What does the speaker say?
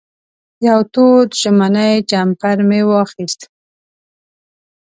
یو تود ژمنی جمپر مې واخېست.